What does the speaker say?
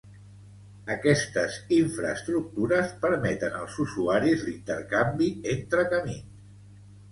Aquestes infraestructures permeten als usuaris l'intercanvi entre camins.